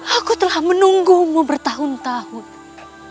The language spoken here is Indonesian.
aku telah menunggumu bertahun tahun